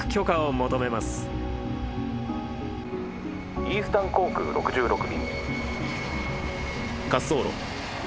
イースタン航空６６便。